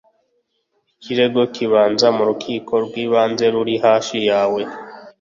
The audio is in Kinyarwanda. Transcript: Ikirego kibanza mu rukiko rw’ibanze ruri hafi yawe